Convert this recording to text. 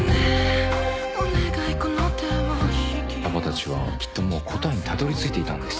「パパたちはきっともう答えにたどりついていたんです」